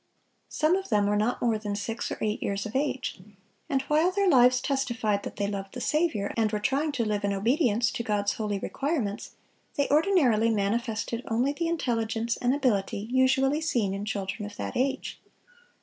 Some of them were not more than six or eight years of age; and while their lives testified that they loved the Saviour, and were trying to live in obedience to God's holy requirements, they ordinarily manifested only the intelligence and ability usually seen in children of that age.